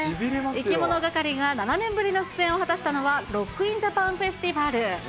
いきものがかりが７年ぶりの出演を果たしたのは、ロック・イン・ジャパン・フェスティバル。